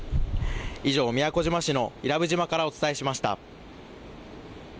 以上、宮古島市の伊良部島からお伝えしました。